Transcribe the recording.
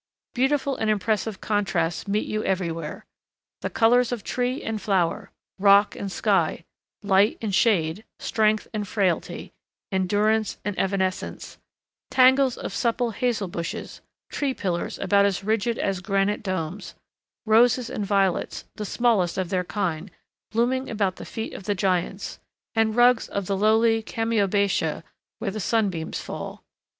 Beautiful and impressive contrasts meet you everywhere: the colors of tree and flower, rock and sky, light and shade, strength and frailty, endurance and evanescence, tangles of supple hazel bushes, tree pillars about as rigid as granite domes, roses and violets, the smallest of their kind, blooming around the feet of the giants, and rugs of the lowly chamaebatia where the sunbeams fall.